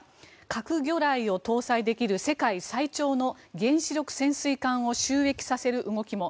核魚雷を搭載できる世界最長の原子力潜水艦を就役させる動きも。